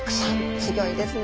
すギョいですね